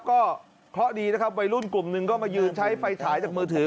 ก็คล่อดีนะครับไปรุ่นกลุ่มนึงก็มายืนใช้ไฟฉายจากมือถือ